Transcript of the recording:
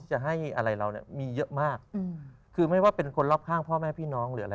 จะให้อะไรเราเนี่ยมีเยอะมากคือไม่ว่าเป็นคนรอบข้างพ่อแม่พี่น้องหรืออะไร